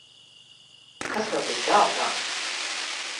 Kas tev bija prātā?